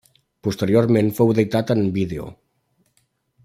Posteriorment fou editat en vídeo.